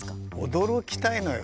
驚きたいのよ。